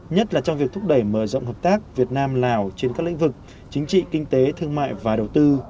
nhất là trong việc thúc đẩy mở rộng hợp tác việt nam lào trên các lĩnh vực chính trị kinh tế thương mại và đầu tư